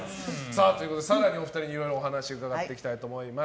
更にお二人にお話を伺っていきたいと思います。